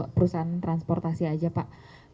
perusahaan transportasi aja pak